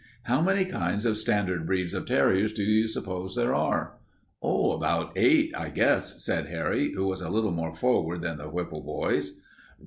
How many kinds of standard breeds of terriers do you suppose there are?" "About eight, I guess," said Harry, who was a little more forward than the Whipple boys.